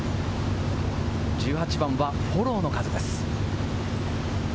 １８番はフォローの風です。